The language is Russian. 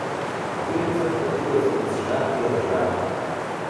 Улица клубилась, визжа и ржа.